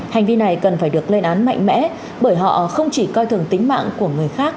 hành vi này cần phải được lên án mạnh mẽ bởi họ không chỉ coi thường tính mạng của người khác